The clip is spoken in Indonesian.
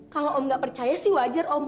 kalo om ga percaya sih wajar om